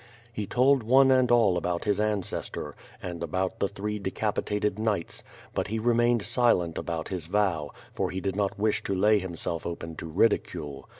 He told one and all about his ancestor, and about the three decapitated knights, but he remained silent about his vow, for he did not wish to lay himself open to ridicule.